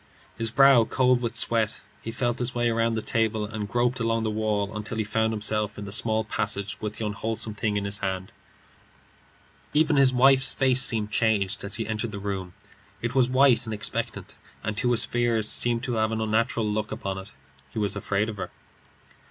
His brow cold with sweat, he felt his way round the table, and groped along the wall until he found himself in the small passage with the unwholesome thing in his hand. Even his wife's face seemed changed as he entered the room. It was white and expectant, and to his fears seemed to have an unnatural look upon it. He was afraid of her.